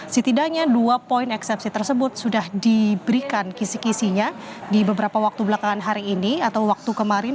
setidaknya dua poin eksepsi tersebut sudah diberikan kisi kisinya di beberapa waktu belakangan hari ini atau waktu kemarin